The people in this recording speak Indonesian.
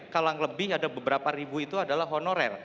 kalau yang lebih ada beberapa ribu itu adalah honorer